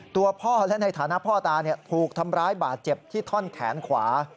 ตัวพ่อและในฐานะพ่อตาถูกทำร้ายบาดเจ็บที่ท่อนแขนขวา